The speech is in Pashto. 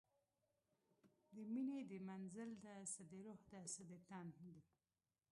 د میینې د منزل ده، څه د روح ده څه د تن